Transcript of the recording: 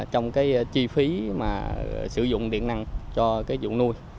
trong cái chi phí mà sử dụng điện năng cho cái dụng nuôi